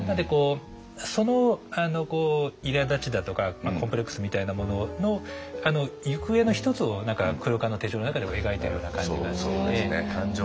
そのいらだちだとかコンプレックスみたいなものの行方の一つを「黒革の手帖」の中でも描いているような感じがしてて。